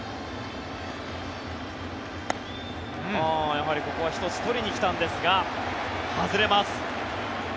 やはりここは１つ取りに来たんですが外れます。